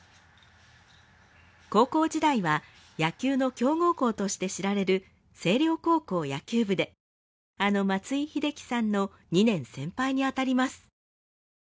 高校時代は野球の強豪校として知られる星稜高校野球部であの松井秀喜さんの２年先輩に当たります。